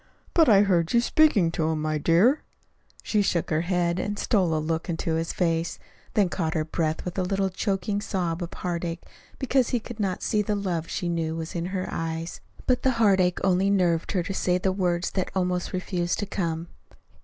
"But I heard you speaking to him, my dear." She shook her head, and stole a look into his face, then caught her breath with a little choking sob of heartache because he could not see the love she knew was in her eyes. But the heartache only nerved her to say the words that almost refused to come.